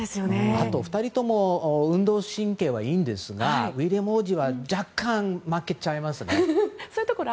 あと、２人とも運動神経はいいんですがウィリアム王子は若干負けちゃいますね。